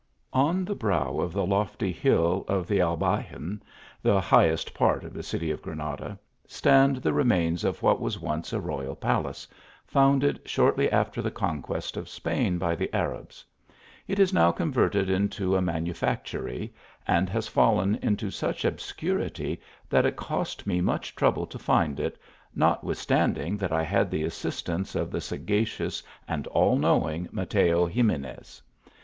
ON the brow of the lofty hill of the Albaycin, the highest part of the city of Granada, stand the remains of what was once a royal palace, founded shortly aftei the conquest of Spain by the Arabs. It is now converted into a manufactory, and has fallen into such obscurity that it cost me much trouble to find it, notwithstanding that I had the assistance of the sagacious and all knowing Mateo Ximenes.